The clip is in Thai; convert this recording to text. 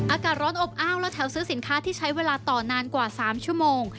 อากาศร้อนอบอ้าวและแถวซื้อสินค้าที่ใช้เวลาต่อนานกว่า๓ชั่วโมง